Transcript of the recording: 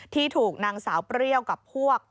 ที่ถูกนางสาวเปรี้ยวกับพวก